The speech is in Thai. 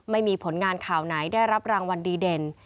ไม่มีผลงานข่าวไหนได้รับรางวัลดีเด่น